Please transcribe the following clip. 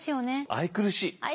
愛くるしい。